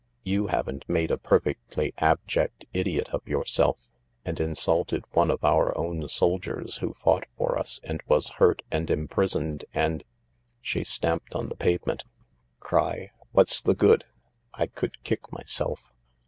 You haven't made a perfectly abject idiot of yourself— and insulted one of our own soldiers who fought for us and was hurt and imprisoned and ..." She stamped on the pavement. "Cry? What's the good? I could kick myself